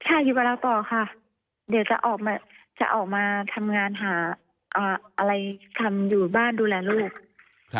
ใช่อยู่กับเราต่อค่ะเดี๋ยวจะออกมาจะออกมาทำงานหาอะไรทำอยู่บ้านดูแลลูก